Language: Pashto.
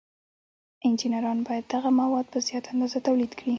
انجینران باید دغه مواد په زیاته اندازه تولید کړي.